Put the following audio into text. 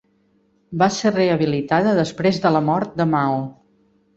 Va ser rehabilitada després de la mort de Mao.